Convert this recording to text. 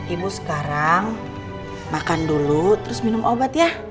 ibu sekarang makan dulu terus minum obat ya